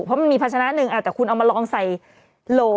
เพราะมันมีภาชนะหนึ่งแต่คุณเอามาลองใส่โหล